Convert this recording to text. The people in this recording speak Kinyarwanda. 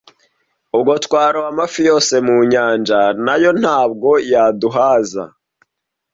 ubwo twaroba amafi yose yo mu nyanja na yo ntabwo yaduhāza!”